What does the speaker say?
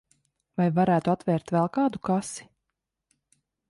Vai varētu atvērt vēl kādu kasi?